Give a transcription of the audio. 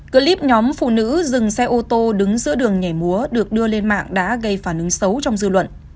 clip nhóm phụ nữ dừng xe ô tô đứng giữa đường nhảy múa được đưa lên mạng đã gây phản ứng xấu trong dư luận